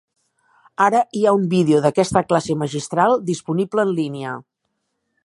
Ara hi ha un vídeo d'aquesta classe magistral disponible en línia.